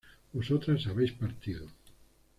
vosotras habéis partido